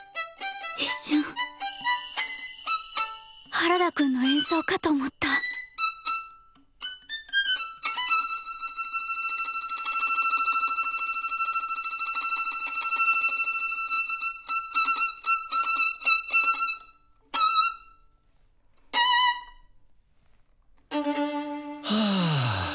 一瞬原田くんの演奏かと思ったはぁ。